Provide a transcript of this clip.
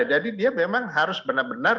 peringkat ini dia memang harus benar benar